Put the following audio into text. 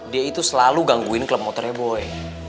dia itu selalu gangguin klub motornya boleh